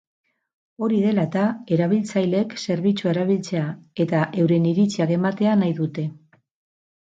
Hori dela eta, erabiltzaileek zerbitzua erabiltzea eta euren iritziak ematea nahi dute.